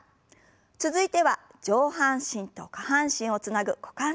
続いては上半身と下半身をつなぐ股関節。